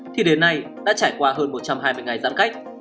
thì đến nay đã trải qua hơn một trăm hai mươi ngày giãn cách